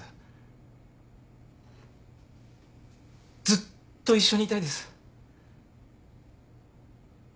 ずっと一緒にいたいです。